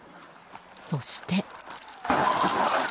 そして。